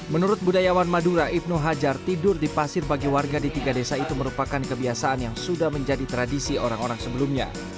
menurut budayawan madura ibnu hajar tidur di pasir bagi warga di tiga desa itu merupakan kebiasaan yang sudah menjadi tradisi orang orang sebelumnya